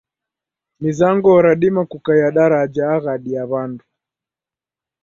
Mizango radima kukaiya daraja aghadi ya w'andu.